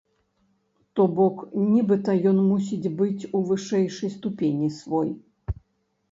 То бок нібыта ён мусіць быць у вышэйшай ступені свой.